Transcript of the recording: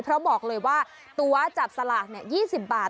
เพราะบอกเลยว่าตัวจับสลาก๒๐บาท